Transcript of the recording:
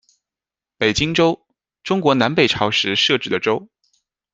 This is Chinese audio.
北荆州，中国南北朝时设置的州。